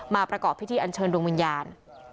ประกอบพิธีอันเชิญดวงวิญญาณ